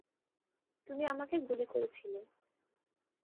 তুমি আমাকে গুলি করেছিলে।